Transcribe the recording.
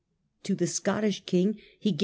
To the Scottish king he gavi..